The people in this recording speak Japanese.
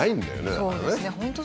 そうですよね。